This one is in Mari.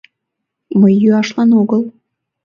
Мый йӱашлан огыл.